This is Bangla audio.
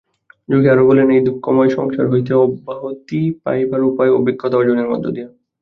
যোগী আরও বলেন, এই দুঃখময় সংসার হইতে অব্যাহিত পাইবার উপায় অভিজ্ঞতা-অর্জনের মধ্য দিয়া।